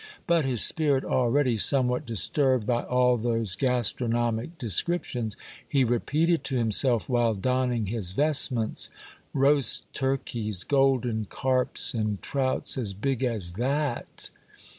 But, his spirit already somewhat disturbed by all those gastro 26o Monday Tales, nomic descriptions, he repeated to himself while donning his vestments, —" Roast turkeys, golden carps, and trouts as big as that